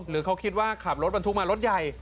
หรือเขาคิดว่าขับรถบรรทุกมารถใหญ่